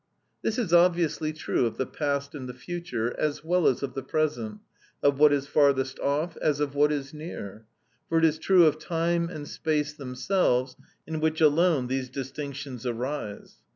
This is obviously true of the past and the future, as well as of the present, of what is farthest off, as of what is near; for it is true of time and space themselves, in which alone these distinctions arise.